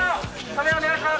署名お願いします。